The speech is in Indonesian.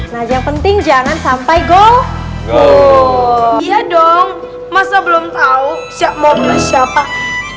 nah yang penting jangan sampai gol gol iya dong masa belum tahu ya kalau kalian sudah pilih siapa